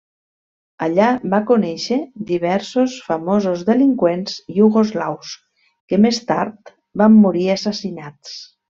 Allà va conèixer diversos famosos delinqüents iugoslaus que més tard van morir assassinats.